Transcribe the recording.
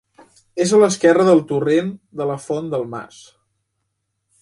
És a l'esquerra del torrent de la Font del Mas.